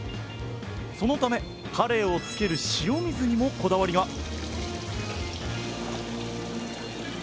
そのためカレイをつける塩水にもこだわりが！